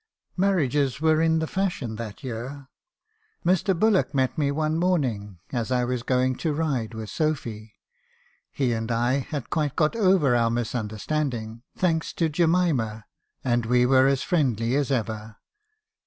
" Marriages were in the fashion that year. Mr. Bullock met me one morning, as I was going to ride with Sophy. He and I had quite got over our misunderstanding, thanks to Jemima, and were as friendly as ever.